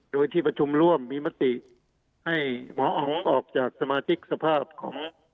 โดยที่ประชุมร่วมมีมติให้หมออ๋องออกจากสมาชิกสภาพของ